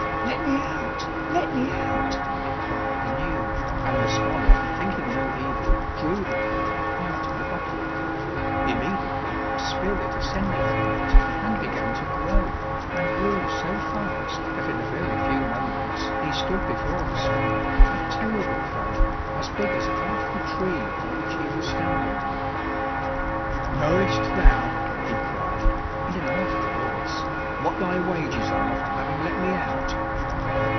"Let me out! Let me out!" it cried anew, and the scholar thinking no evil, drew the cork out of the bottle. Immediately a spirit ascended from it, and began to grow, and grew so fast that in a very few moments he stood before the scholar, a terrible fellow as big as half the tree by which he was standing. "Knowest thou," he cried in an awful voice, "what thy wages are for having let me out?"